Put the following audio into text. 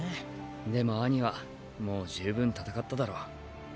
でもアニはもう十分戦っただろ。